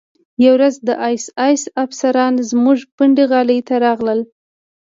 یوه ورځ د اېس ایس افسران زموږ پنډغالي ته راغلل